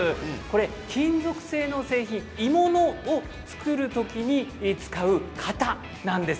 金属製の製品、鋳物を作る時に使う型なんです。